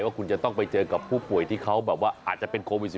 ว่าคุณจะต้องไปเจอกับผู้ป่วยที่เขาแบบว่าอาจจะเป็นโควิด๑๙